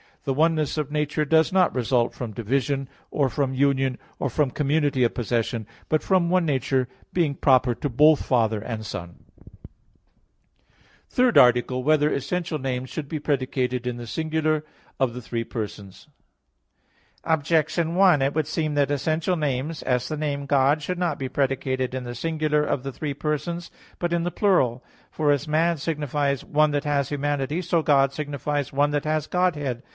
... The oneness of nature does not result from division, or from union or from community of possession, but from one nature being proper to both Father and Son." _______________________ THIRD ARTICLE [I, Q. 39, Art. 3] Whether Essential Names Should Be Predicated in the Singular of the Three Persons? Objection 1: It would seem that essential names, as the name "God," should not be predicated in the singular of the three persons, but in the plural. For as "man" signifies "one that has humanity," so God signifies "one that has Godhead."